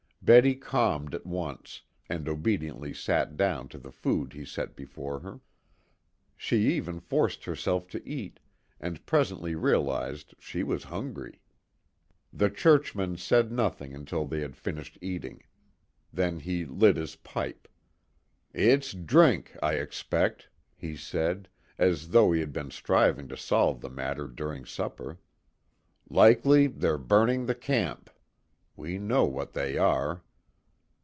Betty calmed at once, and obediently sat down to the food he set before her. She even forced herself to eat, and presently realized she was hungry. The churchman said nothing until they had finished eating. Then he lit his pipe. "It's drink, I expect," he said, as though he had been striving to solve the matter during supper. "Likely they're burning the camp. We know what they are."